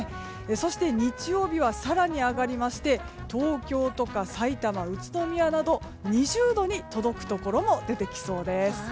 そして日曜日は更に上がりまして東京とかさいたま、宇都宮など２０度に届くところも出てきそうです。